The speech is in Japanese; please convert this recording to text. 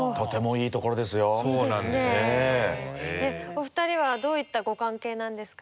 お二人はどういったご関係なんですか？